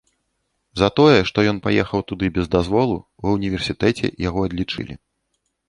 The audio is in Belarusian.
За тое, што ён паехаў туды без дазволу ва ўніверсітэце, яго адлічылі.